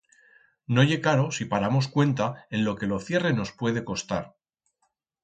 No ye caro si paramos cuenta en lo que lo cierre nos puede costar.